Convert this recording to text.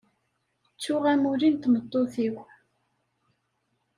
Ttuɣ amulli n tmeṭṭut-iw.